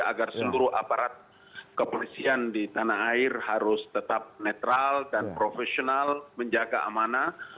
agar seluruh aparat kepolisian di tanah air harus tetap netral dan profesional menjaga amanah